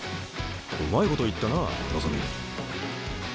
うまいこと言ったなあ望。